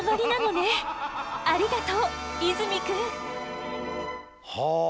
ありがとう泉くん！はあ。